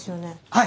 はい。